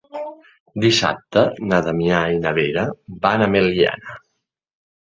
Dissabte na Damià i na Vera van a Meliana.